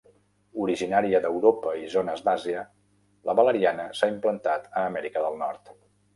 Originària d'Europa i zones d'Àsia, la valeriana s'ha implantat a Amèrica del Nord.